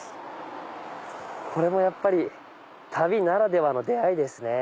これもやっぱり旅ならではの出会いですね。